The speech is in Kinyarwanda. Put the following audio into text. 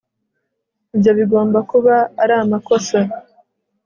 ibyo bigomba kuba ari amakosa